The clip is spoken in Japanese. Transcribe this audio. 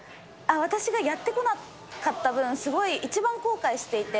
私がやってこなかった分、すごい、一番後悔していて。